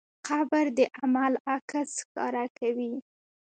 قبر د عمل عکس ښکاره کوي.